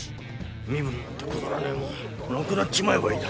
身分なんてくだらねえもんなくなっちまえばいいだ。